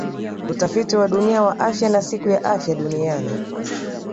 utafiti wa dunia wa afya na siku ya afya duniani